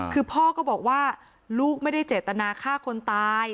คือพ่อก็บอกว่าลูกไม่ได้เจตนาฆ่าคนตาย